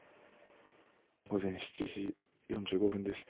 午前７時４５分です。